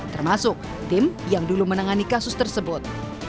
termasuk tim yang dulu menangani kasus tersebut